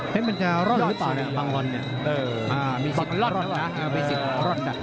มันจะรอดหรือเปล่าเนี่ยบังรอนเนี่ยมีสิทธิ์รอดนะมีสิทธิ์รอดจัด